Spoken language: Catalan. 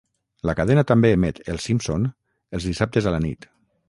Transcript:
La cadena també emet 'Els Simpson' els dissabtes a la nit.